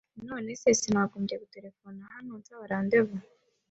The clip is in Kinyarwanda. Nonese sinagombye guterefona hano nsaba rendez-vous